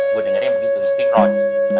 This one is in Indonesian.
gua dengernya begitu istighroj